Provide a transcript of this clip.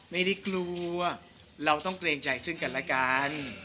ไม่ได้กลัวเราต้องเกรงใจซึ่งกันและกัน